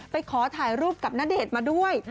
ขอถ่ายรูปกับณเดชน์มาด้วย